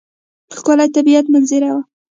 ښکلې طبیعي منظره وه.